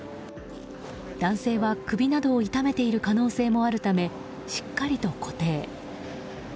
男性は首などを痛めている可能性もあるためしっかりと固定。